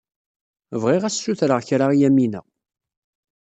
Bɣiɣ ad as-ssutreɣ kra i Yamina.